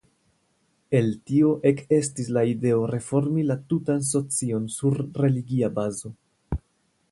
El tio ekestis la ideo reformi la tutan socion sur religia bazo.